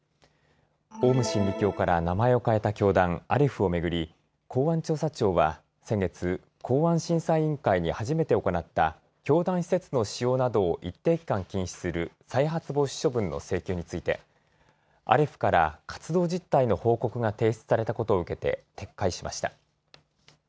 オウム真理教から名前を変えた教団、アレフを巡り公安調査庁は先月、公安審査委員会に初めて行った教団施設の使用などを一定期間禁止する再発防止処分の請求についてアレフから活動実態の報告が提出されたことを受けて撤回しました。